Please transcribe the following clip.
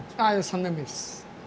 ３年目です。